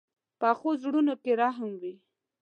پخو زړونو کې رحم وي